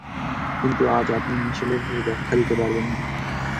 কিন্তু আজ, আপনি মিশেলের হয়ে ব্যাখ্যা দিতে পারবেন না।